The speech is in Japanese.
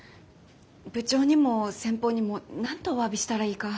部長にも先方にも何とおわびしたらいいか。